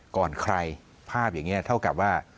ก่อนใครภาพอย่างนี้เท่ากับว่า